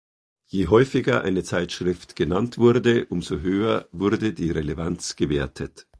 Je häufiger eine Zeitschrift genannt wurde, um so höher wurde die Relevanz gewertet.